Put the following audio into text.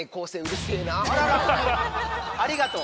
ありがとう。